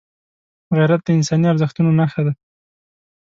غیرت د انساني ارزښتونو نښه ده